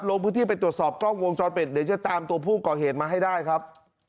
ลงพื้นที่ไปตรวจสอบกล้องวงจรปิดเดี๋ยวจะตามตัวผู้ก่อเหตุมาให้ได้ครับ